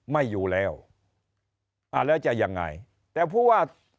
ไม่อยู่แล้วอาจจะยังไงแต่พูดว่า